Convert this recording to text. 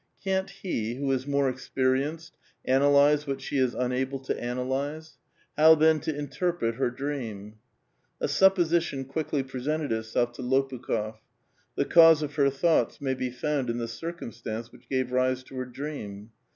Can't he, who is more experienced, analyze what she is unable to analyze? How, then, to inter pret her dream? A supposition quickly presented itself to Lopukh6f ; the cause of her thoughts may be found in the circumstance which gave rise to her dream.